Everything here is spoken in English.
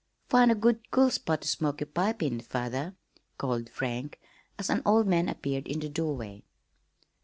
"Find a good cool spot to smoke your pipe in, father," called Frank, as an old man appeared in the doorway.